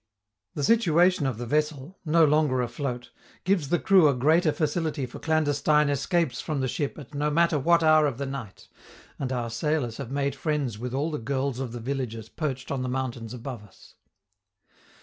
The situation of the vessel no longer afloat gives the crew a greater facility for clandestine escapes from the ship at no matter what hour of the night, and our sailors have made friends with all the girls of the villages perched on the mountains above us.